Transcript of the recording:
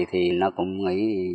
thì nó cũng nghĩ